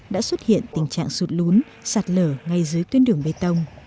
đã xuất hiện tình trạng sụt lún sạt lở ngay dưới tuyến đường bê tông